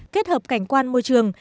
kết hợp cảnh quan môi trường